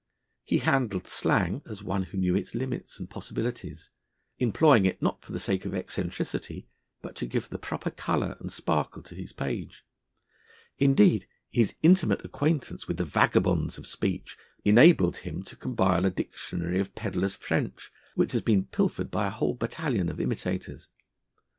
He handled slang as one who knew its limits and possibilities, employing it not for the sake of eccentricity, but to give the proper colour and sparkle to his page; indeed, his intimate acquaintance with the vagabonds of speech enabled him to compile a dictionary of Pedlar's French, which has been pilfered by a whole battalion of imitators.